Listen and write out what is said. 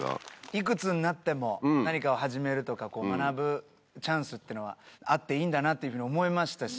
幾つになっても何かを始めるとか学ぶチャンスっていうのはあっていいんだなっていうふうに思いましたし。